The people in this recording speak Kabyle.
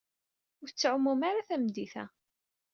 Ur tettɛumum ara tameddit-a.